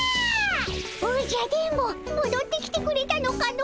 おじゃ電ボもどってきてくれたのかの。